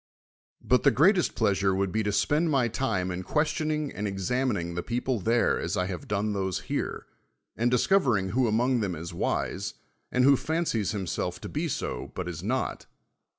But the great*'st i)!' asure would be to spend 86 SOCRATES my time in questionijic: and oxaniininti' the peo ple there as I have done those here, and discov ering who among them is wise, and who fancies himself to be so but is not.